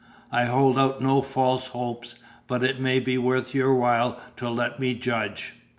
I hold out no false hopes, but it may be worth your while to let me judge."